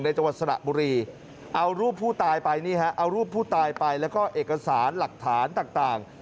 ในจังหวัดสระบุรีเอารูปผู้ตายไปและเอกสารหลักฐานต่าง